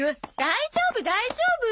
大丈夫大丈夫。